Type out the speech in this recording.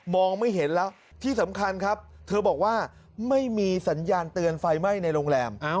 ไม่เห็นแล้วที่สำคัญครับเธอบอกว่าไม่มีสัญญาณเตือนไฟไหม้ในโรงแรม